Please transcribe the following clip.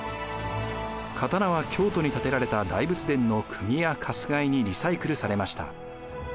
刀は京都に建てられた大仏殿のくぎやかすがいにリサイクルされました。